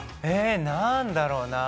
何だろうな？